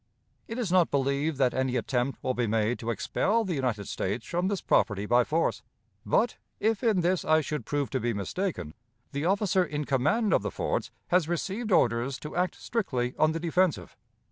It is not believed that any attempt will be made to expel the United States from this property by force; but, if in this I should prove to be mistaken, the officer in command of the forts has received orders to act strictly on the defensive.